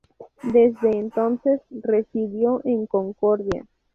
Desde entonces residió en Concordia.